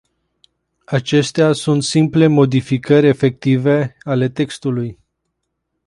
Acestea sunt simple modificări efective ale textului.